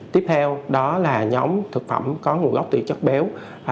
tiếp theo đó là nhóm thực phẩm có nguồn gốc từ chất béo